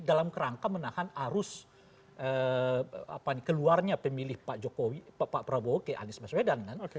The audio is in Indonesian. dalam kerangka menahan arus keluarnya pemilih pak prabowo ke anies baswedan kan